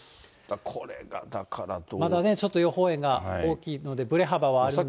まだね、ちょっと予報円が大きいのでぶれ幅はあるんですが。